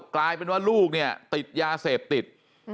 กลายเป็นว่าลูกเนี่ยติดยาเสพติด